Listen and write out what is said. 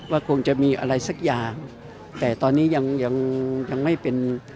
ว่าคงจะมีอะไรสักอย่างแต่ตอนนี้ยังยังยังไม่เป็น